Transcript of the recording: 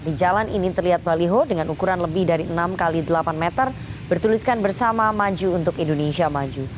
di jalan ini terlihat baliho dengan ukuran lebih dari enam x delapan meter bertuliskan bersama maju untuk indonesia maju